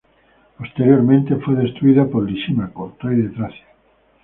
Posteriormente fue destruida por Lisímaco, rey de Tracia.